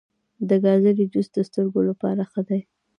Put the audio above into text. د ګازرې جوس د سترګو لپاره ښه دی.